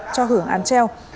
cho hưởng án treo